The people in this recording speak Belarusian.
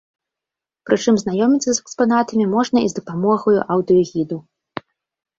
Прычым знаёміцца з экспанатамі можна і з дапамогаю аўдыёгіду.